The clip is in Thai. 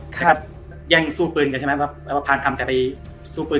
นะครับแย่งสู้ปืนกันใช่ไหมว่าพานคำแกไปสู้ปืน